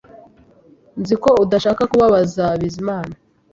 Nzi ko udashaka kubabaza Bizimana